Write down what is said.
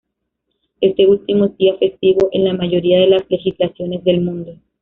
Este último es día festivo en la mayoría de las legislaciones del mundo.